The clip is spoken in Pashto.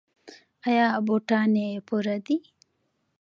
ایا بوټان یې پوره دي؟